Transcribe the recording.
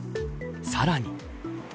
さらに。